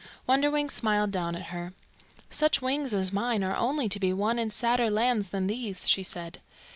Wonderwings smiled down at her. "Such wings as mine are only to be won in sadder lands than these," she said.